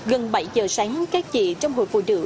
gần bảy giờ sáng các chị trong hội phụ nữ